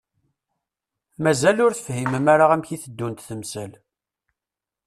Mazal ur tefhimem ara amek i teddunt temsal.